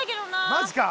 マジか。